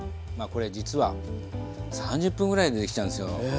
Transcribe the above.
これ実は３０分ぐらいでできちゃうんですよ。